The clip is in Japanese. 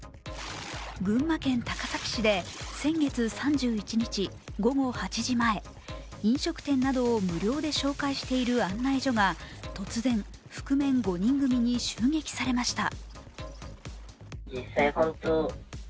群馬県高崎市で先月３１日午後８時前飲食店などを無料で紹介している案内所が突然、覆面５人組に襲撃されました。